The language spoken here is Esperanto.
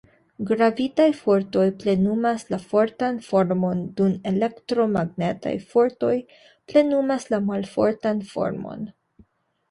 Gravitaj fortoj plenumas la fortan formon dum elektromagnetaj fortoj plenumas la malfortan formon.